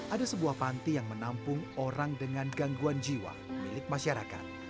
ada sebuah panti yang menampung orang dengan gangguan jiwa milik masyarakat